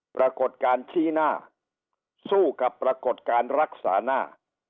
ปรากฏการณ์ชี้หน้าสู้กับปรากฏการณ์รักษาหน้า